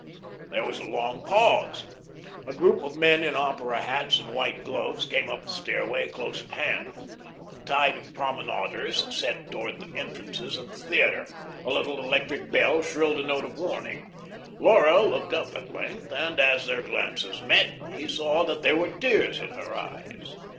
There was a long pause; a group of men in opera hats and white gloves came up the stairway close at hand. The tide of promenaders set towards the entrances of the theatre. A little electric bell shrilled a note of warning. Laura looked up at length, and as their glances met, he saw that there were tears in her eyes.